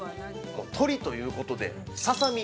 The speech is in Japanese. トリということで、ささ身。